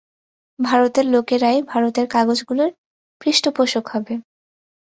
ভারতের লোকেরাই ভারতের কাগজগুলির পৃষ্ঠপোষক হবে।